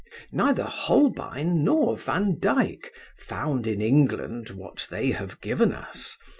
Neither Holbein nor Vandyck found in England what they have given us.